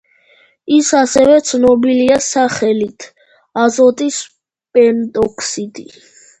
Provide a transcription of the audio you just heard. ის ასევე ცნობილია სახელით აზოტის პენტოქსიდი.